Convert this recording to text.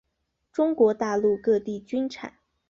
中国大陆各地均产。